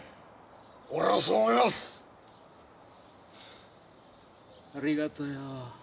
俺もそう思いますありがとよ